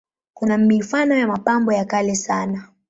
Kuna mifano ya mapambo ya kale sana.